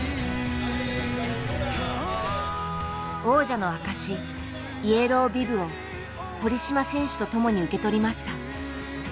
王者の証し「イエロービブ」を堀島選手と共に受け取りました。